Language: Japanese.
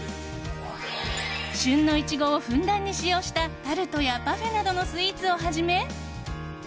旬のイチゴをふんだんに使用したタルトやパフェなどのスイーツをはじめ